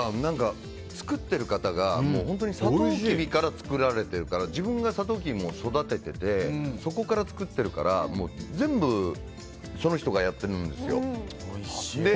作ってる方が本当にサトウキビから作られているから自分がサトウキビも育てていてそこから作ってるから全部、その人がやってるんですよ。